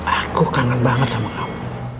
aku kangen banget sama kamu